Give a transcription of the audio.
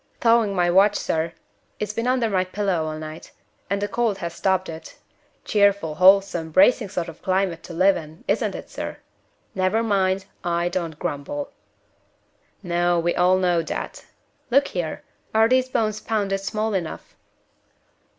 "Thawing my watch, sir. It's been under my pillow all night, and the cold has stopped it. Cheerful, wholesome, bracing sort of climate to live in; isn't it, sir? Never mind! I don't grumble." "No, we all know that. Look here! Are these bones pounded small enough?"